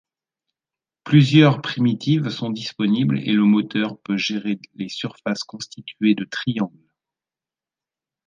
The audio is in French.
Plusieurs primitives sont disponibles et le moteur peut gérer les surfaces constituées de triangles.